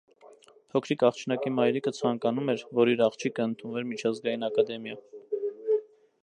Փոքրիկ աղջնակի մայրիկը ցանկանում էր, որ իր աղջիկը ընդունվեր միջազգային ակադեմիա։